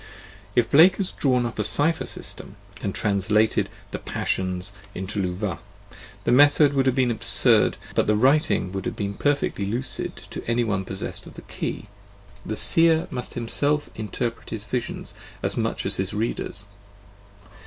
If Blake had drawn up a cipher system, and translated " the passions " into " Luvah," the method would have been absurd, but the writing would have been perfectly lucid to anyone possessed of the key. The seer must himself interpret his visions, as much as his readers.